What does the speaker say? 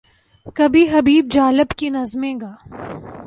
کبھی حبیب جالب کی نظمیں گا۔